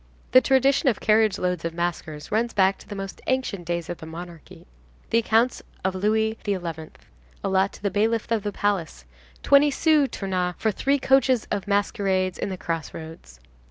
The tradition of carriage loads of maskers runs back to the most ancient days of the monarchy. The accounts of Louis XI. allot to the bailiff of the palace "twenty sous, Tournois, for three coaches of mascarades in the crossroads."